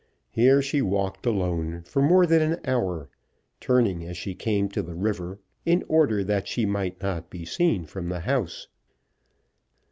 Here she walked alone for more than an hour, turning as she came to the river in order that she might not be seen from the house.